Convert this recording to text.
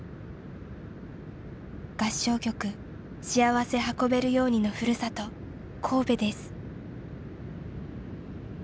合唱曲「しあわせ運べるように」のふるさと神戸です。